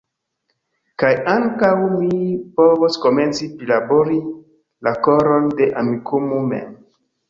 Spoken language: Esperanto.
Kaj ankaŭ mi povos komenci prilabori la koron de Amikumu mem.